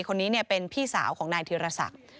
คนนี้เป็นพี่สาวของนายธีรศักดิ์